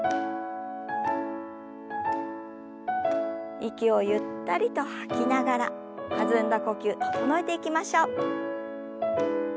息をゆったりと吐きながら弾んだ呼吸整えていきましょう。